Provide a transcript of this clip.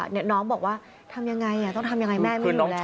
น้องบอกว่าทำยังไงต้องทำยังไงแม่ไม่อยู่แล้ว